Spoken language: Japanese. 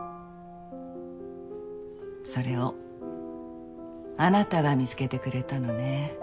それをあなたが見つけてくれたのね。